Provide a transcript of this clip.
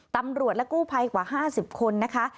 ตำรวจและกู้ภัยกว่า๕๐คนนะคะ